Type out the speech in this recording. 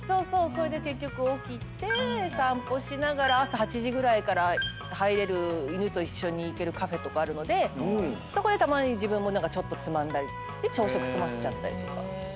それで結局起きて散歩しながら朝８時ぐらいから入れる犬と一緒に行けるカフェとかあるのでそこでたまに自分もちょっとつまんだりで朝食済ませちゃったりとか。